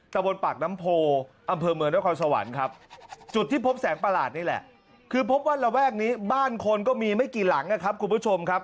ตะบนปากน้ำโพอำเภอเมืองนครสวรรค์ครับจุดที่พบแสงประหลาดนี่แหละคือพบว่าระแวกนี้บ้านคนก็มีไม่กี่หลังนะครับคุณผู้ชมครับ